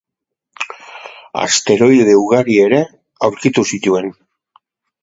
Asteroide ugari ere aurkitu zituen.